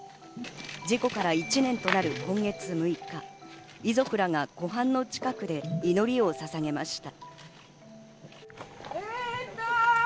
事故から１年となる今月６日、遺族らが湖畔の近くで祈りをささげました。